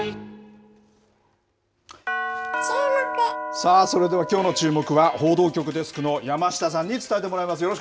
さあ、それではきょうのチューモク！は、報道局デスクの山下さんに伝えてもらいます。